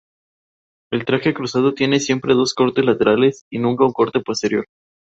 El traje cruzado tiene siempre dos cortes laterales y nunca un corte posterior.